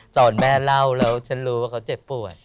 ตอนแม่เล่าแล้วฉันรู้ว่าเขาเจ็บปวด